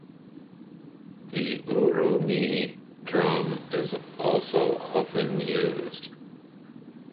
The urumee drum is also often used.